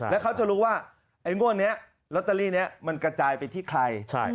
แล้วเขาจะรู้ว่าไอ้งวดนี้ลอตเตอรี่นี้มันกระจายไปที่ใคร